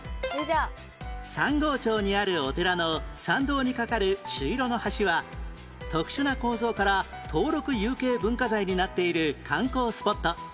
三郷町にあるお寺の参道にかかる朱色の橋は特殊な構造から登録有形文化財になっている観光スポット